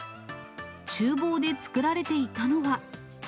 ちゅう房で作られていたのは。